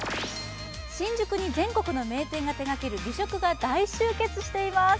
新宿に全国の名店が手がける美食が大集結しています。